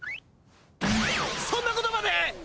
そんなことまで！？